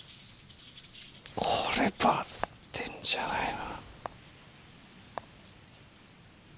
これバズってんじゃないの？